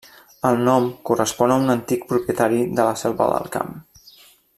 El nom correspon a un antic propietari de la Selva del Camp.